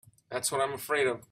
That's what I'm afraid of.